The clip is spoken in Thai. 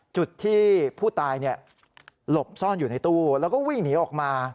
จุดที่ผู้ตายหลบซ่อนอยู่ในตู้แล้วก็วิ่งหนีออกมา